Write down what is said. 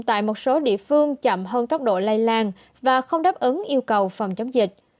tại một số địa phương chậm hơn tốc độ lây lan và không đáp ứng yêu cầu phòng chống dịch